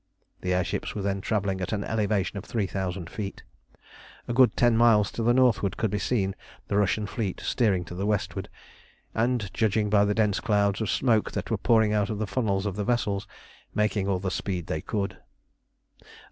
The air ships were then travelling at an elevation of 3000 feet. A good ten miles to the northward could be seen the Russian fleet steering to the westward, and, judging by the dense clouds of smoke that were pouring out of the funnels of the vessels, making all the speed they could.